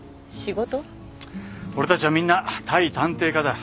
俺たちはみんな対探偵課だ。